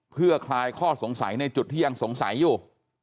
เพื่อคลายข้อสงสัยในจุดที่ยังสงสัยอยู่